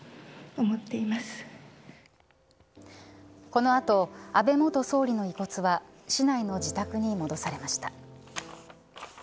この後、安倍元総理の遺骨は市内の自宅に戻されました。